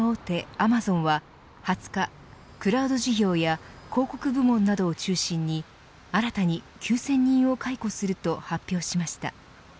アマゾンは２０日、クラウド事業や広告部門などを中心に新たに９０００人を解雇すると発表しました。